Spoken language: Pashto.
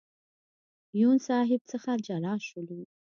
یون صاحب څخه جلا شولو.